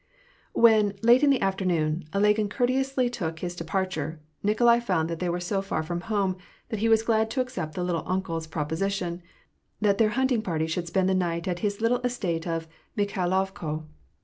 When, late in the afternoon, Ilagin courteously took his departure, Nikolai found that they were so far from home, that he was glad to accept the '^little uncle's " proposition, that their hunting party should spend the night vX his little estate of Mikhailovko.